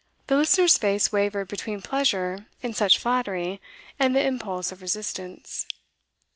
The listener's face wavered between pleasure in such flattery and the impulse of resistance.